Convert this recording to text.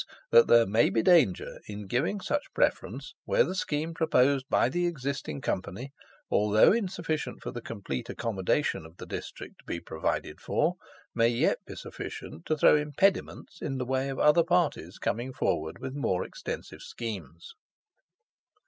that there may be danger in giving such preference where the scheme proposed by the existing Company, although insufficient for the complete accommodation of the district to be provided for, may yet be sufficient to throw impediments in the way of other parties coming forward with more extensive schemes.